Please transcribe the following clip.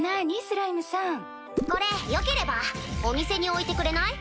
スライムさん・これよければお店に置いてくれない？